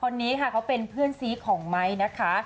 คนนี้ค่ะเขาเป็นเพื่อนซีของไม้นะคะ